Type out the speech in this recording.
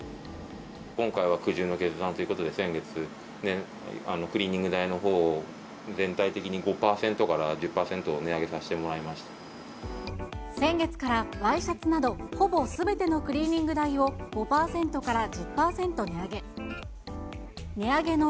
今回は苦渋の決断ということで、先月、クリーニング代のほうを、全体的に５％から１０％値上げさせても先月から、ワイシャツなどほぼすべてのクリーニング代を５％から１０％値上げ。